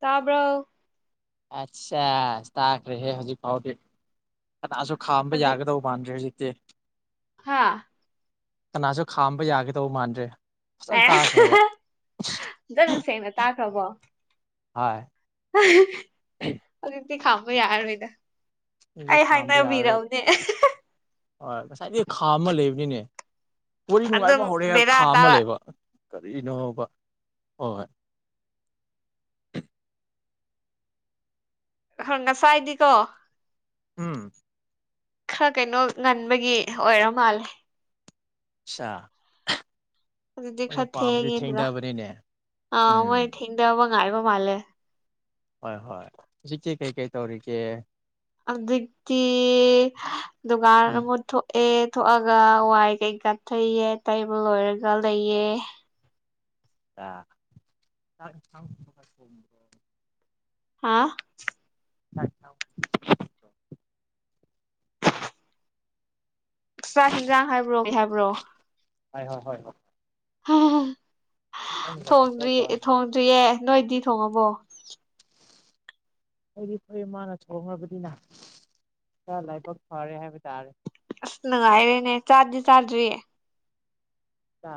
ꯇꯥꯕ꯭ꯔꯣ꯫ ꯑꯆꯥ ꯇꯥꯈ꯭ꯔꯦ ꯍꯦ ꯍꯧꯖꯤꯛ ꯐꯥꯎꯗꯤ꯫ ꯀꯅꯥꯁꯨ ꯈꯥꯝꯕ ꯍꯧꯖꯤꯛ ꯌꯥꯒꯗꯧꯕ ꯃꯥꯟꯗ꯭ꯔꯦ ꯍꯧꯖꯤꯛꯇꯤ꯫ ꯍꯥꯥ꯫ ꯀꯅꯥꯁꯨ ꯈꯥꯝꯕ ꯌꯥꯒꯗꯧꯕ ꯃꯥꯟꯗ꯭ꯔꯦ꯫ ꯐꯖꯅ ꯇꯥꯈ꯭ꯔꯦꯕ ꯑꯦꯍꯍ ꯐꯖꯅ ꯁꯦꯡꯅ ꯇꯥꯈ꯭ꯔꯕꯣ꯫ ꯍꯥꯏ꯫ ꯑꯧꯖꯤꯛꯇꯤ ꯈꯥꯝꯕ ꯌꯥꯔ ꯔꯣꯏꯗ꯫ ꯑꯩꯁꯦ ꯈꯥꯝꯕ ꯌꯥꯔꯦ ꯍꯣꯏ ꯉꯁꯥꯏꯗꯩ ꯈꯥꯝꯑ ꯂꯩꯕꯅꯤꯅꯦ꯫ ꯋꯥꯔꯤ ꯅꯨꯡꯉꯥꯏꯕ ꯑꯗꯨꯝ ꯍꯧꯔꯦ ꯍꯥꯏꯔ ꯕꯦꯔꯥ ꯈꯥꯝꯑ ꯇꯥꯔ ꯂꯩꯕ꯫ ꯀꯔꯤꯅꯣꯕ ꯍꯣꯏ꯫ ꯑꯍ ꯉꯁꯥꯏꯗꯤꯀꯣ ꯎꯝ꯫ ꯈꯔ ꯀꯩꯅꯣ ꯉꯟꯕꯒꯤ ꯑꯣꯏꯔ ꯃꯥꯜꯂꯦ꯫ ꯑꯆꯥ꯫ ꯑꯗꯨꯗꯤ ꯈꯔ ꯊꯦꯡꯉꯦꯗꯅ ꯊꯦꯡꯗꯕꯅꯤꯅꯦ ꯑꯥ ꯃꯣꯏ ꯎꯝ ꯊꯦꯡꯗꯕ ꯉꯥꯏꯕ ꯃꯥꯜꯂꯦ꯫ ꯍꯣꯏ-ꯍꯣꯏ ꯍꯧꯖꯤꯛꯀꯤ ꯀꯩꯀꯩ ꯇꯧꯔꯤꯒꯦ꯫ ꯑꯧꯖꯤꯛꯇꯤ ꯗꯨꯒꯥꯔ ꯎꯝ ꯑꯃ ꯊꯣꯛꯑꯦ꯫ ꯊꯣꯛꯑꯒ ꯋꯥꯏ ꯀꯩꯀꯥ ꯇꯩꯌꯦ ꯇꯩꯕ ꯂꯣꯏꯔꯒ ꯂꯩꯑꯦ꯫ [unintelligible] [inaudible] ꯍꯥꯥ꯫ [unintelligible] [inaudible] ꯆꯛꯆꯥ ꯍꯟꯖꯥꯡ ꯍꯥꯏꯕ꯭ꯔꯣ ꯍꯥꯏꯕ꯭ꯔꯣ ꯍꯣꯏ ꯍꯣꯏ ꯍꯣꯏ ꯍꯣꯏ ꯅꯪꯅ ꯗ꯭ꯔꯤ ꯊꯣꯡꯖꯗ꯭ꯔꯣ ꯍꯥꯏꯅꯤ ꯊꯣꯡꯗ꯭ꯔꯤꯌꯦ ꯅꯣꯏꯗꯤ ꯊꯣꯡꯉꯕꯣ ꯑꯩꯗꯤ ꯐꯣꯏ ꯏꯃꯥꯅ ꯁꯈ꯭ꯔꯕꯅꯤꯅ ꯆ ꯂꯥꯏꯕ ꯐꯔꯦ ꯍꯥꯏꯕ ꯇꯥꯔꯦ ꯑꯁ ꯅꯪꯉꯥꯏꯔꯦꯅꯦ ꯆꯥꯗꯤ ꯆꯥ ꯣꯏꯌꯦ ꯀ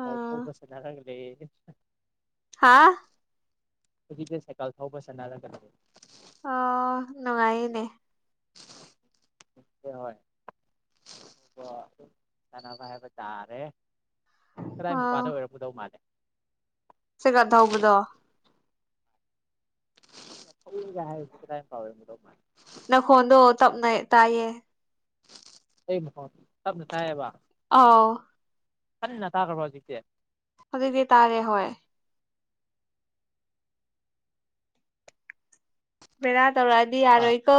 ꯀ ꯐꯣꯁꯅ ꯂꯒꯂ ꯍꯥꯥ ꯍꯧꯖꯤꯛꯁꯦ ꯁꯥꯏꯀꯜ ꯊꯧꯕ ꯆꯠꯅꯔꯛꯒꯅꯦ ꯑꯣ ꯅꯨꯡꯉꯥꯏꯅꯦ ꯦ ꯍ ꯀꯅꯕ ꯍꯥꯏꯕ ꯇꯥꯔꯦ ꯀꯗꯥꯏ ꯃꯄꯥꯥꯟꯗ ꯑꯣꯏꯔꯝꯄꯗꯧ ꯃꯥꯜꯂꯦ ꯁꯤꯒꯗ ꯎꯒꯗ ꯦ ꯍꯥꯏꯥꯏ ꯄꯥꯎꯦ ꯅ ꯈꯣꯡꯗꯣ ꯇꯞ ꯅ ꯇꯏꯌꯦ ꯑꯩ ꯃꯍꯣ ꯇꯞꯅ ꯇꯥꯏꯌꯦꯕ ꯑꯥꯎ ꯀꯟꯅ ꯇꯥꯈ꯭ꯔꯕꯣ ꯍꯧꯖꯤꯛꯇꯤ ꯑꯗꯨꯖꯤꯒꯤ ꯇꯥꯔꯦ ꯍꯣꯏ ꯕꯦꯔꯥ ꯇꯧꯔꯛꯑꯗꯤ ꯌꯥꯔꯣꯏꯀꯣ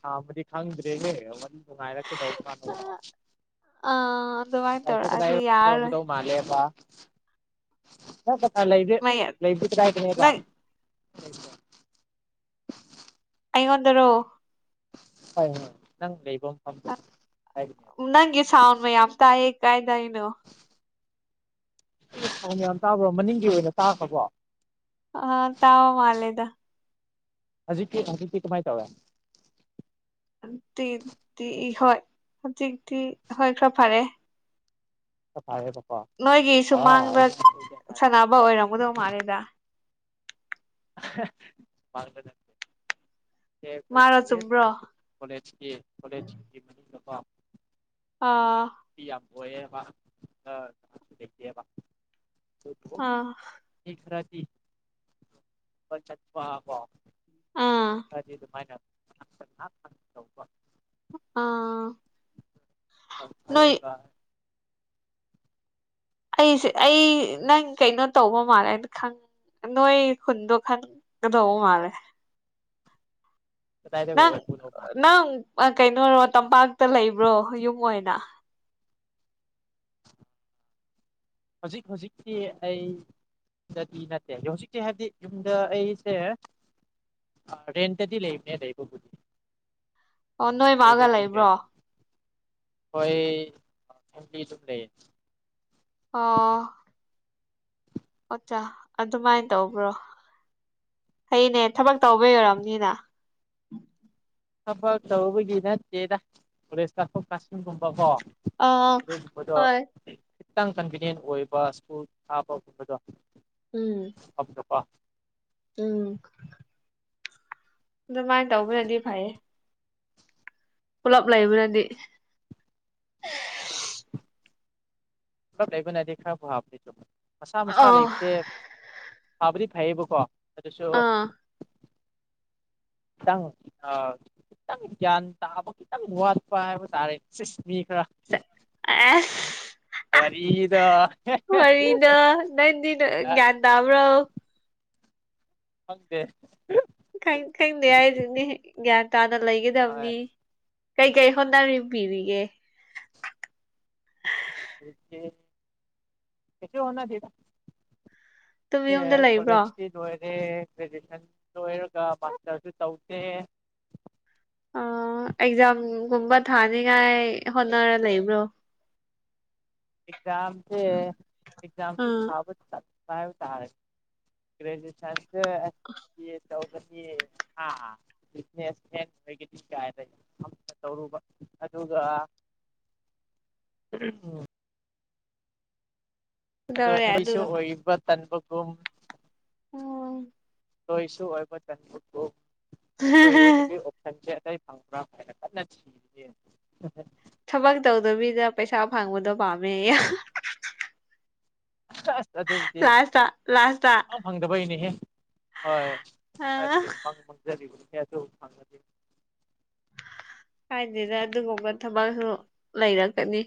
ꯈꯥꯝꯕꯗꯤ ꯈꯪꯗ꯭ꯔꯦꯅꯦꯦ ꯅꯨꯡꯉꯥꯏꯔ ꯀꯩꯗꯧꯕ ꯑꯥ ꯑꯗꯨꯃꯥꯏꯅ ꯀꯗꯥꯏ ꯇꯧꯔꯛꯑꯗꯤ ꯌꯥꯔꯔꯣꯏ ꯊꯔꯝꯒꯗꯧꯕ ꯃꯥꯜꯂꯦꯕ ꯂꯩꯗ ꯃꯩ ꯂꯩ ꯀꯗꯥ ꯀꯅꯦꯕ ꯅꯪ ꯍꯗ ꯑꯩꯉꯣꯟꯗꯔꯣ ꯍꯣꯏ ꯍꯣꯏ ꯅꯪ ꯂꯩ ꯅꯪꯒꯤ ꯁꯥꯎꯟ ꯃꯌꯥꯝ ꯇꯥꯏꯌꯦ ꯀꯥꯏꯗꯏꯅꯣ ꯥꯎ ꯌꯥꯝ ꯇꯥꯕ꯭ꯔꯣ ꯃꯅꯤꯡꯒꯤ ꯑꯣꯏꯅ ꯇꯥꯈ꯭ꯔꯕꯣ ꯑ ꯇꯥꯑꯣ ꯃꯥꯂꯦꯗ ꯍꯧꯖꯤꯛꯀꯤ ꯍꯧꯖꯤ ꯀ ꯀꯃꯥꯏ ꯆꯧꯦ ꯤ ꯍꯣꯏ ꯍꯧꯖꯤꯛꯇꯤ ꯍꯣꯏ ꯈꯔ ꯐꯔꯦ ꯐꯦ ꯅꯣꯏꯒꯤ ꯁꯨꯃꯥꯡꯗ ꯁꯥꯟꯅꯕ ꯑꯣꯏꯔꯝꯒꯗꯧ ꯃꯥꯜꯂꯤꯦꯗ ꯃꯥꯔꯒ ꯁꯦ ꯃꯥꯔꯣ ꯑꯩꯈꯣꯏꯒꯤ ꯆꯨꯝꯕ꯭ꯔꯣ ꯀꯣꯂꯦꯖꯀꯤ ꯀꯣꯂꯦꯖꯀꯤ ꯃꯅꯨꯡꯗꯅꯤꯡꯀꯣ ꯑꯥ ꯌꯥꯝꯌꯦꯦꯕꯦꯕ ꯑꯥ ꯔꯗꯤ ꯆꯄ ꯋꯥ ꯑꯥ ꯑꯗꯨꯗꯤ ꯑꯗꯨꯃꯥꯏꯅ ꯑꯥ ꯅꯣꯏ ꯔ ꯀ ꯑꯩꯁꯦ ꯑꯩ ꯅꯪ ꯀꯩꯅꯣ ꯇꯧꯕ ꯃꯥꯜꯂꯦꯅ ꯈꯪ ꯅꯣꯏ ꯈꯨꯟꯗꯣ ꯈꯟꯒꯗꯧꯕ ꯃꯥꯜꯂꯦ ꯀꯗꯥꯏꯗꯒ ꯅꯪ ꯑꯣꯏꯕꯨꯗꯧ ꯃꯥꯜꯂꯦ ꯅꯪ ꯀꯩꯅꯣꯔꯣ ꯇꯝꯄꯥꯛꯇ ꯂꯩꯕ꯭ꯔꯣ ꯌꯨꯝ ꯑꯣꯏꯅ ꯍꯧꯖꯤꯛ ꯍꯧꯖꯤꯛꯀꯤ ꯑꯩ ꯗꯗꯤ ꯅꯠꯇꯦ ꯍꯧꯖꯤꯛꯇꯤ ꯍꯥꯏꯕꯗꯤ ꯌꯨꯝꯗ ꯑꯩꯁꯦ ꯑ ꯔꯦꯟꯗꯤ ꯂꯩꯅꯦ ꯂꯩꯕ ꯑꯣ ꯅꯣꯏ ꯃꯥꯒ ꯂꯩꯕ꯭ꯔꯣ ꯍꯣꯏ ꯊ ꯑꯗꯨ ꯂꯩ ꯑꯥ ꯑꯣꯆꯥꯥ ꯑꯗꯨꯃꯥꯏꯅ ꯇꯧꯕ꯭ꯔꯣ ꯍꯅꯦ ꯊꯕꯛ ꯇꯧꯕ ꯌꯔꯝꯅꯤꯅ ꯊꯕꯛ ꯇꯧꯕꯒꯤ ꯅꯠꯇꯦꯗ ꯄꯨꯂꯤꯁꯇ ꯑꯗꯨꯒꯒꯨꯝꯕꯀꯣ ꯑꯥ ꯑꯗꯨꯒꯨꯝꯕꯗꯣ ꯍꯣꯏ ꯈꯤꯇꯪ ꯀꯟꯚꯤꯅꯤꯌꯦꯟ ꯑꯣꯏꯕ ꯁ꯭ꯀꯨꯜ ꯊꯥꯕꯒꯕꯗꯣ ꯎꯝ ꯐꯅꯀꯣ ꯎꯝ ꯑꯗꯨꯃꯥꯏꯅ ꯇꯧꯕꯅꯗꯤ ꯐꯩꯌꯦ ꯄꯨꯂꯞ ꯂꯩꯕꯅꯗꯤ ꯄꯨꯂꯞ ꯂꯩꯕꯅꯗꯤ ꯈꯔꯕꯨ ꯍꯥꯞꯅꯤꯁꯨꯨꯝ ꯃꯁꯥ ꯑ ꯃꯁꯥ ꯂꯩꯕꯁꯦ ꯊꯥꯕꯨꯗꯤ ꯐꯩꯌꯦꯕꯀꯣ ꯑꯗꯨꯁꯨ ꯑꯥ ꯈꯤꯇꯪ ꯈꯤꯇꯪ ꯒ꯭ꯌꯥꯟ ꯇꯥꯕ ꯈꯤꯇꯪ ꯋꯥꯠꯄ ꯍꯥꯏꯕ ꯇꯥꯔꯦꯁ ꯃꯤ ꯈꯔ ꯑꯦꯁ ꯋꯥꯔꯤꯗꯣ ꯍꯔꯤꯅ ꯅꯟꯗꯤꯅ ꯭ ꯇꯝ꯭ꯔꯥꯎ ꯍꯗꯦ ꯈꯪꯗꯦ ꯍꯥꯏꯗꯨꯅꯤ ꯒ꯭ꯌꯥꯟ ꯇꯥꯅ ꯍꯣꯏ ꯂꯩꯒꯗꯕꯅꯤ ꯀꯩꯀꯩ ꯍꯣꯠꯅꯔꯤ ꯄꯔꯤꯒꯦ ꯀꯁꯨꯣ ꯍꯅ ꯊꯗꯥ ꯑꯗꯨꯝ ꯌꯨꯝꯗ ꯑꯦ ꯂꯩꯕ꯭ꯔꯣ ꯀꯣꯂꯦꯖ ꯔ ꯒ꯭ꯔꯦꯖꯨꯦꯁꯟ ꯂꯣꯏꯔꯒ ꯃꯥꯁꯇꯔꯁꯨ ꯇꯧꯁꯦ ꯒꯨꯝꯕ ꯊꯥꯅꯤꯉꯥꯏ ꯍꯣꯠꯅꯔ ꯂꯩꯕ꯭ꯔꯣ ꯑꯦꯖꯥꯝꯁꯦ ꯑꯦꯖꯥꯝ ꯆ ꯎꯝ ꯊꯕ ꯆ ꯇ꯭ꯔꯟ ꯇꯒꯗꯤꯅꯦ ꯑꯣꯏꯒꯗꯤ ꯀꯥꯏ ꯇꯔ ꯑꯗꯨꯒ ꯎ ꯑ ꯀꯩꯗꯧꯔꯦ ꯑꯩꯣꯏꯁꯨ ꯑꯗꯨꯒ ꯑꯣꯏꯕ ꯇꯟꯕꯒꯨꯝ ꯑꯣ ꯀꯣꯏꯁꯨ ꯑꯣꯏꯕ ꯆꯦꯟꯨꯣꯏ ꯑꯣꯏꯗꯕꯤ ꯑꯣꯞꯁꯟꯁꯦ ꯀ ꯐꯪꯕ꯭ꯔꯥ ꯍꯥꯏꯅ ꯀꯟꯅ ꯊꯤꯔꯤꯦ ꯊꯕꯛ ꯇꯧꯗꯕꯤꯗ ꯄꯩꯁꯥ ꯐꯪꯕꯗꯣ ꯄꯥꯝꯃꯦ ꯑꯁ ꯑꯁ ꯑꯗꯨꯕꯨꯗꯤ ꯂꯥꯁꯇ ꯂꯥꯁꯇ ꯐꯪꯗꯕꯩꯅꯤꯍꯦ ꯍꯣꯏ ꯑꯗꯤ ꯑꯥ ꯃꯉꯖꯔꯤ ꯌꯥꯁꯨ ꯐꯪꯗꯤ ꯀꯥꯏꯗꯦꯗ ꯑꯗꯨꯒꯨꯝꯕ ꯊꯕꯛꯁꯨ ꯂꯩꯔꯛꯀꯅꯤ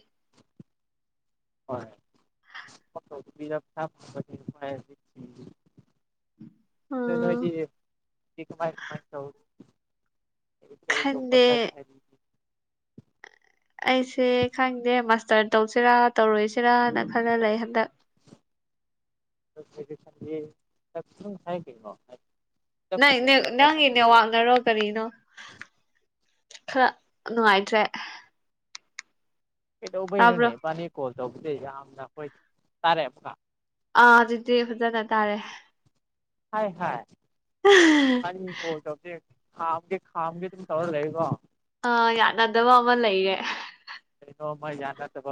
ꯍꯣꯏ ꯊ ꯆꯂꯣ ꯀꯃꯥꯏ ꯀꯃꯥꯏ ꯎꯝ ꯆ ꯀ ꯑꯣꯐꯇ ꯔ ꯈꯟꯗꯦ ꯍꯥꯏ ꯑꯩꯁꯦ ꯈꯪꯗꯦ ꯃꯥꯁꯇꯔ ꯇꯧꯁꯤꯔꯥ ꯇꯧꯔꯣꯏꯁꯤꯔꯅ ꯈꯜꯂ ꯂꯩ ꯍꯟꯗꯛ ꯣ ꯅꯪ ꯏꯅꯦ ꯅꯪ ꯏꯅꯦ ꯋꯥꯥꯛꯅꯔꯣ ꯀꯔꯤꯅꯣ ꯈꯔ ꯅꯨꯡꯉꯥꯏꯇ꯭ꯔꯦ ꯀꯩꯗꯧꯕꯩꯩꯅꯣꯅꯦ ꯇꯥꯕ꯭ꯔꯣ ꯏꯕꯥꯅꯤ ꯀꯣꯜ ꯇꯧꯕꯗꯩ ꯌꯥꯝꯅ ꯑꯩꯈꯣꯏ ꯇꯥꯔꯛꯑꯦꯕꯀ ꯑꯥ ꯑꯗꯨꯗꯤ ꯐꯖꯅ ꯇꯥꯔꯦ ꯍꯥꯏ ꯍꯥꯏ ꯑꯅꯤꯣ ꯇ ꯍꯥꯝꯒꯦ ꯍꯥꯝꯦ ꯊꯝ ꯇꯧꯔꯗꯦ ꯏꯕꯣ ꯑꯥ ꯌꯥꯅꯗꯕ ꯑꯃ ꯂꯩꯔꯦ ꯌꯥꯅ ꯇꯕꯥ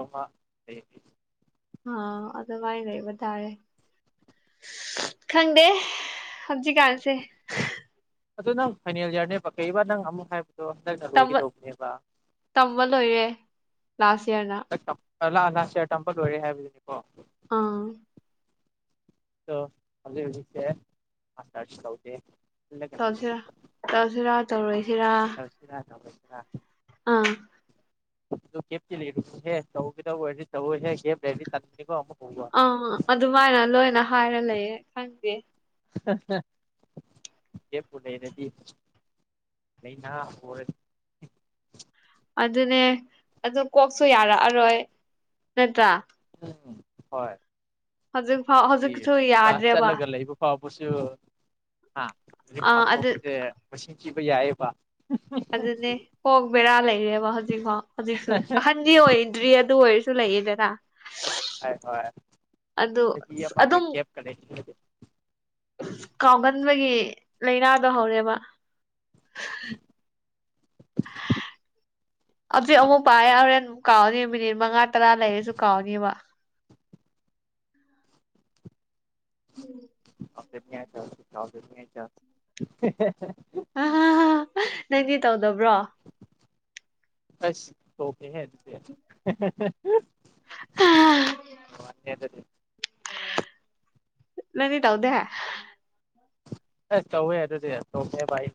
ꯑꯥ ꯑꯗꯚꯥꯏ ꯂꯩꯕꯔꯦ ꯈꯪꯗꯦ ꯑꯞꯖꯤ ꯀꯥꯟꯁꯦ ꯑꯗꯨꯣ ꯅꯪ ꯐꯥꯏꯅꯦꯜ ꯌꯥꯌꯥꯔꯅꯦꯕ ꯀꯩꯕꯥ ꯅꯪ ꯑꯃꯨꯛ ꯍꯥꯏꯕ ꯍꯂꯛ ꯇꯝꯕ ꯂꯣꯅꯤꯕ ꯇꯝꯕ ꯂꯣꯏꯔꯦ ꯂꯥꯁ ꯏꯌꯔꯗ ꯂꯥꯛꯑ ꯂꯁꯤꯌꯥ ꯇꯝꯕ ꯂꯣꯏꯔꯦ ꯍꯥꯏꯕꯗꯨꯅꯤꯀꯣ ꯑꯥ ꯁꯦ ꯆꯥꯎꯗꯤ ꯇꯧꯁꯤꯔ ꯇꯧꯁꯤꯔ ꯇꯧꯔꯣꯏꯁꯤ ꯇꯧꯁꯤꯔ ꯊꯧꯁꯤꯔ ꯑꯥ ꯦꯞ ꯆ ꯂꯩ ꯆꯗ ꯆꯦꯦ ꯑꯦ ꯆꯥꯟꯣ ꯑꯃꯛ ꯑꯥ ꯑꯗꯨꯃꯥꯏꯅ ꯂꯣꯏꯅ ꯍꯥꯏꯔ ꯂꯩꯌꯦꯦ ꯈꯪꯗꯦ ꯀꯦ ꯄꯨꯨ ꯂꯩ ꯅꯗꯤ ꯂꯩꯩꯅ ꯍꯔ ꯑꯗꯨꯅꯦ ꯑꯗꯨ ꯀꯣꯛꯁꯨ ꯌꯥꯔꯛꯑꯔꯣꯏ ꯅꯠꯇ꯭ꯔꯥ ꯎꯝ ꯍꯣꯏ ꯍꯧꯖꯤꯛꯐꯥꯎ ꯑꯦ ꯍꯧꯖꯤꯛꯁꯨ ꯀ꯭ꯂꯥꯁ ꯌꯥꯗ꯭ꯔꯦꯕ ꯆꯠꯂꯒ ꯂꯩꯕ ꯐꯥꯎꯕ ꯀꯆꯁꯨ ꯍꯥ ꯑꯥ ꯑꯗꯨ ꯐꯥꯛꯇꯧꯁꯦ ꯃꯁꯤꯡꯁꯤꯡ ꯊꯤꯕ ꯌꯥꯏꯕ ꯑꯗꯨꯅꯦ ꯀꯣꯛ ꯕꯦꯔꯥ ꯂꯩꯔꯦꯕ ꯍꯧꯖꯤꯛꯐꯣ ꯍꯧꯖꯤꯛꯁꯨ ꯑꯍꯟꯗꯤ ꯑꯣꯏꯗ꯭ꯔꯤ ꯑꯗꯨ ꯑꯣꯏꯔꯁꯨ ꯁꯨ ꯂꯩꯌꯦꯗꯔ ꯍꯣꯏ ꯑꯗꯨ ꯍꯣꯏ ꯑꯗꯨꯝ ꯀꯦ ꯀꯟ ꯀꯥꯎꯒꯟꯕꯒꯤ ꯂꯥꯏꯅꯥꯗꯣ ꯍꯧꯔꯦꯕ ꯎ ꯍꯧꯖꯤꯛ ꯑꯃꯨꯛ ꯄꯥꯏꯦ ꯍꯣꯔꯦꯟ ꯀꯥꯎꯅꯤ ꯃꯤꯅꯤꯠ ꯃꯉꯥ ꯇꯔꯥ ꯂꯩꯔꯁꯨ ꯀꯥꯎꯅꯦꯕ ꯎꯝ ꯆ ꯑ ꯅꯪꯗꯤ ꯇꯧꯗꯕ꯭ꯔꯣ ꯑꯁ ꯇꯀꯦ ꯍꯥꯏ ꯑꯗꯨ ꯑꯣ ꯑ ꯑꯗꯨꯗꯤ ꯅꯅꯤ ꯇꯧꯗ ꯑꯁ ꯇꯧꯋꯦ ꯑꯗꯨꯗꯤ ꯇꯧꯦ ꯚꯥꯏ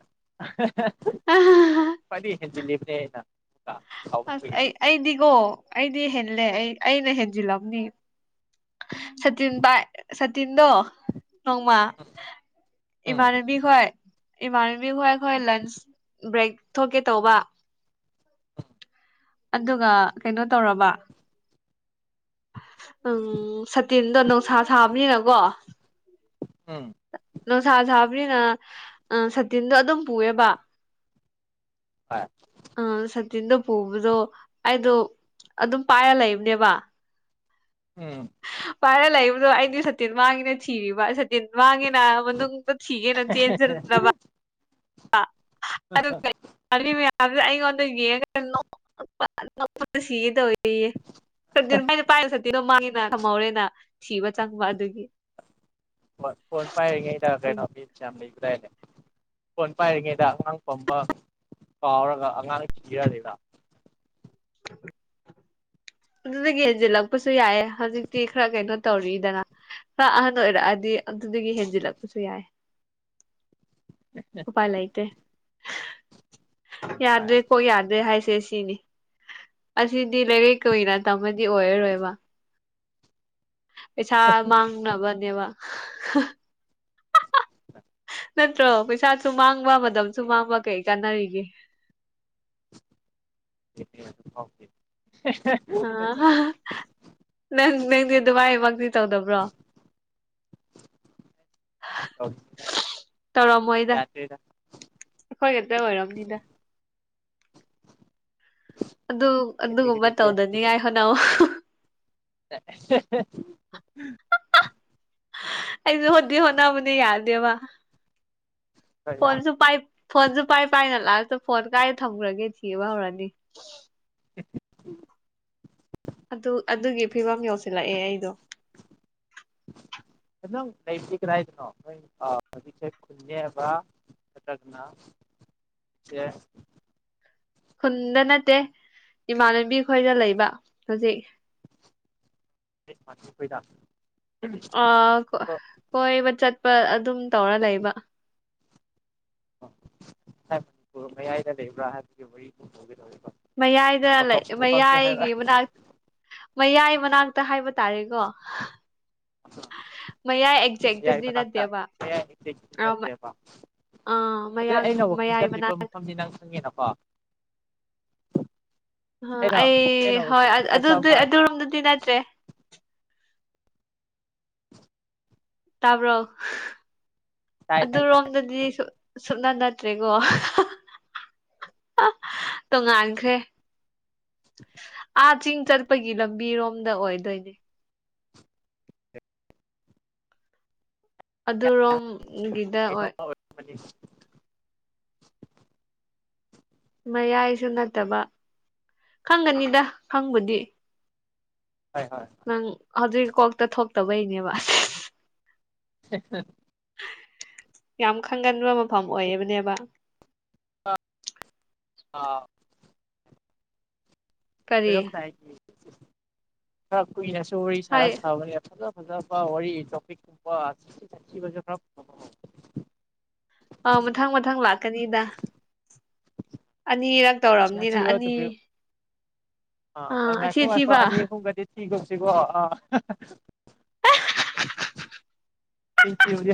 ꯐꯅꯤ ꯜꯂꯤ ꯐ ꯂꯩ ꯑꯁ ꯑꯩ ꯑꯩꯗꯤꯀꯣ ꯑꯩꯗꯤ ꯍꯦꯜꯂꯦ ꯑꯩ ꯑꯩꯅ ꯍꯦꯟꯖꯤꯜꯂꯝꯕꯅꯤ ꯁꯇꯤꯟ ꯄꯥꯏ ꯁꯇꯤꯟꯗꯣ ꯅꯣꯡꯃ ꯎꯝ ꯏꯃꯥꯕꯤꯈꯣꯏ ꯏꯃꯥꯟꯅꯕꯤ ꯍꯣꯏ ꯍꯣꯏ ꯂꯟꯆ ꯕ꯭ꯔꯦꯛ ꯊꯣꯛꯀꯦ ꯇꯧꯕ ꯎꯝ ꯑꯗꯨꯒ ꯀꯩꯅꯣ ꯇꯧꯔꯕ ꯎꯝ ꯁꯇꯤꯟꯗꯣ ꯅꯨꯡꯁꯥ ꯁꯥꯕꯅꯤꯅꯀꯣ ꯎꯝ ꯅꯨꯡꯁꯥ ꯁꯥꯕꯅꯤꯅ ꯑ ꯁꯇꯤꯟꯗꯣ ꯑꯗꯨꯝ ꯄꯨꯑꯦꯕ ꯍꯣꯏ ꯑ ꯁ ꯇꯤꯟꯗꯣ ꯄꯨꯕꯗꯣ ꯑꯩꯗꯣ ꯑꯗꯨꯝ ꯄꯥꯏꯔ ꯂꯩꯕꯅꯦꯕ ꯎꯝ ꯄꯥꯏꯔ ꯂꯩꯕꯗꯣ ꯑꯩꯗꯤ ꯁꯇꯤꯟ ꯃꯥꯡꯉꯤꯅ ꯊꯤꯔꯤꯕ ꯋꯥꯥꯡꯉꯦꯅ ꯃꯅꯨꯡꯗ ꯊꯤꯒꯦꯅ ꯆꯦꯟꯁꯤꯗꯕ ꯀ ꯑꯗꯨ ꯑꯩꯉꯣꯟꯗ ꯌꯦꯡꯉ ꯅ ꯁꯤꯒ ꯇꯧꯋ ꯁ ꯄꯥꯏ ꯃꯥꯒꯤꯅ ꯀꯃꯧꯦꯅ ꯊꯤꯕ ꯆꯥꯡ ꯋꯥꯗꯨꯒꯤ ꯣꯏ ꯐꯣꯟ ꯐꯥꯏꯔ ꯀ ꯏꯦ ꯐꯣꯟ ꯄꯥꯏꯔꯤꯉꯩꯗ ꯑꯉꯥꯡ ꯐꯝꯕ ꯀꯥꯎꯔꯒ ꯑꯉꯥꯡꯅ ꯀꯤꯅꯤꯅ ꯑꯗꯨꯗꯒꯤ ꯍꯦꯟꯁꯤꯜꯂꯛꯄꯁꯨ ꯌꯥꯏꯑ ꯍꯧꯖꯤꯛꯇꯤ ꯈꯔ ꯀꯩꯅꯣ ꯇꯧꯔꯤꯗꯅ ꯈꯔ ꯑꯍꯟ ꯑꯣꯏꯔꯛꯑꯗꯤ ꯑꯗꯨꯗꯒꯤ ꯍꯦꯟꯖꯤꯜꯂꯛꯄꯁꯨ ꯌꯥꯏ ꯎꯄꯥꯏ ꯂꯩꯇꯦ ꯌꯥꯗꯦ ꯀꯣꯛ ꯌꯥꯗ꯭ꯔꯦ ꯍꯥꯏꯁꯦ ꯁꯤꯅꯤ ꯑꯁꯤꯗꯤ ꯂꯩꯔꯛ ꯀꯨꯏꯅ ꯇꯝꯃꯗꯤ ꯑꯣꯏꯔꯔꯣꯏꯕ ꯄꯩꯁꯥ ꯃꯥꯡꯅꯕꯅꯦꯕ ꯅꯠꯇ꯭ꯔꯣ ꯄꯩꯁꯥꯁꯨ ꯃꯥꯡꯕ ꯃꯇꯝꯁꯨ ꯃꯥꯡꯕ ꯀꯩ ꯀꯥꯟꯅꯔꯤꯒꯦ [inaudible] ꯑ ꯅꯪ ꯅꯪꯗꯤ ꯗꯨꯃꯥꯏꯃꯛꯇꯤ ꯇꯧꯗꯕ꯭ꯔꯣ ꯇꯧꯔꯝꯃꯣꯏꯗ ꯆꯠꯇ꯭ꯔꯤꯗ ꯑꯩꯈꯣꯏ ꯈꯛꯇ ꯑꯣꯏꯔꯝꯅꯤꯗ ꯑꯗꯨ ꯑꯗꯨꯒꯨꯝꯕ ꯀꯦꯇꯤꯒꯔꯤꯁꯦ ꯇꯧꯗꯅꯤꯡꯉꯥꯏ ꯍꯣꯠꯅꯧ ꯍꯦ ꯍꯦ ꯑꯩꯁꯨ ꯍꯣꯠꯇꯤ ꯍꯣꯠꯅꯕꯅꯤ ꯌꯥꯗꯦꯕ ꯈꯔ ꯌꯥꯗ꯭ꯔꯦ ꯐꯣꯟꯁꯨ ꯄꯥꯏ ꯐꯣꯟꯁꯨ ꯄꯥꯏ ꯄꯥꯏꯅ ꯂꯥꯛ ꯑ ꯐꯣꯟ ꯀꯥꯏ ꯊꯝꯈ꯭ꯔꯒꯦ ꯊꯤꯑꯕꯍꯧꯔꯅꯤ ꯑꯗꯨ ꯑꯗꯨꯒꯤ ꯐꯤꯕꯝ ꯌꯧꯁꯤꯜꯂꯛꯑꯦ ꯑꯩꯗꯣ ꯅꯪ ꯂꯩꯕꯗꯤ ꯀꯗꯥꯏꯗꯅꯣ ꯅꯣꯏ ꯑ ꯍꯧꯖꯤꯛꯁꯦ ꯅꯠꯇ꯭ꯔꯒꯅꯥ ꯈꯨꯟꯗ ꯅꯠꯇꯦ ꯏꯃꯥꯟꯅꯕꯤ ꯈꯣꯏꯗ ꯂꯩꯕ ꯍꯧꯖꯤꯛ ꯍꯣꯏꯗ ꯑ ꯀꯣꯏꯕ ꯆꯠꯄ ꯑꯗꯨꯝ ꯇꯧꯔ ꯂꯩꯕ ꯍꯥꯏ ꯃꯅꯤꯄꯨꯔ ꯃꯌꯥꯏꯗ ꯂꯩꯕ꯭ꯔꯥ ꯍꯥꯏꯕꯒꯤ ꯃꯌꯥꯏꯗ ꯂꯩ ꯃꯐꯝ ꯃꯐꯝꯁꯨ ꯍꯥꯏꯕ ꯃꯌꯥꯏꯒꯤ ꯃꯅꯥꯛ ꯃꯌꯥꯏ ꯃꯅꯥꯛꯇ ꯍꯥꯏꯕ ꯇꯥꯔꯦꯀꯣ ꯃꯌꯥꯏ ꯃꯌꯥꯏ ꯑꯦꯛꯖꯦꯛꯇꯗꯤ ꯃꯅꯥꯛꯇ ꯅꯠꯇꯦꯕ ꯃꯌꯥꯏ ꯃꯛꯇꯤ ꯅꯠꯇ꯭ꯔꯦꯕ ꯑꯥ ꯑꯗꯩ ꯃꯌꯥꯡ ꯑꯩꯅ ꯋꯥꯛꯀꯤꯡ ꯃꯌꯥꯏ ꯆꯠꯂꯤꯕ ꯃꯅꯥꯛ ꯃꯐꯝꯗꯤ ꯅꯪ ꯈꯪꯉꯦꯅꯀꯣ ꯑ ꯑꯩꯅ ꯑꯩ ꯑꯩꯅ ꯍꯣꯏ ꯋꯥꯛꯀꯤꯡ ꯆꯠꯄ ꯑꯗꯨꯗꯤ ꯑꯃ ꯑꯗꯨꯔꯣꯝꯗꯗꯤ ꯅꯠꯇ꯭ꯔꯦ ꯇꯥꯕ꯭ꯔꯣ ꯇꯥꯏ ꯇꯥꯏ ꯇꯥꯏ ꯑꯗꯨꯔꯣꯝꯗꯗꯤ ꯁꯨꯛꯅꯠ ꯅꯠꯇ꯭ꯔꯦ ꯉꯣ ꯑ ꯇꯣꯉꯥꯟꯈ꯭ꯔꯦ ꯑꯥ ꯆꯤꯡ ꯆꯠꯄꯒꯤ ꯂꯝꯕꯤꯔꯣꯝꯗ ꯑꯣꯏꯗꯣꯏꯅꯦ ꯑꯗꯨꯔꯣꯝꯒꯤꯗ ꯀꯩꯅꯣ ꯑꯣꯏ ꯑꯣꯏꯔꯝꯃꯅꯤ [inaudible] ꯃꯌꯥꯏꯁꯨ ꯅꯠꯇꯕ ꯈꯪꯒꯅꯤꯗ ꯈꯪꯕꯨꯗꯤ ꯍꯣꯏ ꯍꯣꯏ ꯅꯪ ꯍꯧꯖꯤꯛ ꯀꯣꯛꯇ ꯊꯣꯛꯇꯕꯩꯅꯦꯕ ꯍꯦꯍꯥ ꯌꯥꯝ ꯈꯪꯒꯟꯕ ꯃꯐꯝ ꯑꯣꯏꯕꯅꯦꯕ ꯑ ꯀꯔꯤ ꯂꯣꯏꯔꯝꯗꯥꯏꯒꯤ ꯈꯔ ꯀꯨꯏꯅꯁꯨ ꯋꯥꯔꯤ ꯁꯥꯔ ꯍꯥꯏ ꯁꯥꯕꯅꯦ ꯐꯖꯥ ꯐꯖꯕ ꯋꯥꯔꯤ ꯇꯣꯄꯤꯛ ꯀꯨꯝꯕ ꯑꯊꯤꯕꯁꯨ ꯈꯔꯥ ꯄꯨꯊꯣꯂꯛꯑꯣ ꯑ ꯃꯊꯪ ꯃꯊꯪ ꯂꯥꯛꯀꯅꯤꯗ ꯑꯅꯤꯔꯛ ꯁꯥꯊꯤ ꯇꯧꯔꯕꯅꯤꯅ ꯑꯅꯤ ꯑ ꯑꯥ ꯑꯊꯤ ꯉꯥꯏꯈꯣ ꯉꯥꯏꯈꯣ ꯑꯊꯤꯕ ꯑꯅꯤ ꯑꯍꯨꯝꯒꯗꯤ ꯀꯁꯤꯀꯣ ꯑ ꯍꯥ ꯍꯥ ꯊꯦꯡꯀ꯭ꯌꯨ